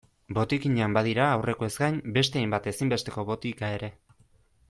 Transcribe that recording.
Botikinean badira, aurrekoez gain, beste hainbat ezinbesteko botika ere.